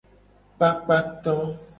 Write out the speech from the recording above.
Kpakpato.